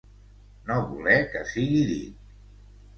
No voler que sigui dit.